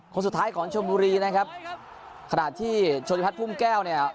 คนสุดท้ายของชมบุรีนะครับขณะที่โชธิพัฒพุ่มแก้วเนี่ย